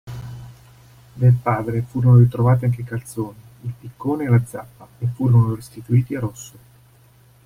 Del padre furono ritrovati anche i calzoni , il piccone e la zappa , e furono restituiti a Rosso.